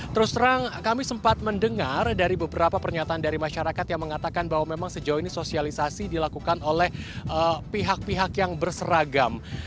terus terang kami sempat mendengar dari beberapa pernyataan dari masyarakat yang mengatakan bahwa memang sejauh ini sosialisasi dilakukan oleh pihak pihak yang berseragam